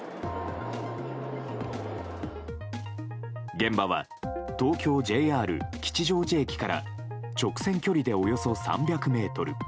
現場は東京ＪＲ吉祥寺駅から直線距離でおよそ３００ｍ。